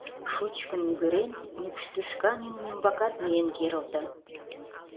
Шучкын мӱгырен, мӱкш тӱшка нунын ӱмбакат миен керылте.